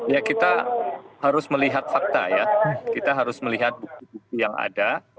ya kita harus melihat fakta ya kita harus melihat bukti bukti yang ada